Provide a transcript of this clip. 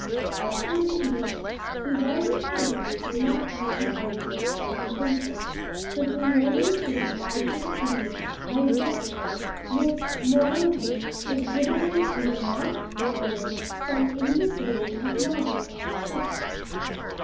As for De Guiche, he very probably did not find the argument so convincing, for he merely signified his opinion by a gesture, which, moreover, exhibited in a marked manner some indecision of mind on the subject.